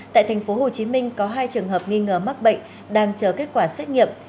tại tp hcm có hai trường hợp nghi ngờ mắc bệnh đang chờ kết quả xét nghiệm